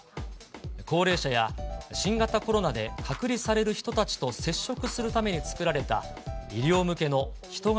高齢者や新型コロナで隔離される人たちと接触するために作られた医療向けの人型